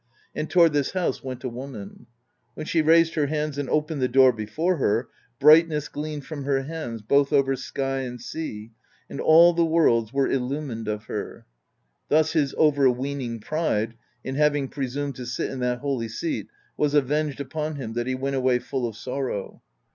And toward this house went a woman; when she raised her hands and opened the door before her, brightness gleamed from her hands, both over sky and sea, and all the worlds were illumined of her. Thus his overweening pride, in having presumed to sit in that holy seat, was avenged upon him, that he went away full of sorrow.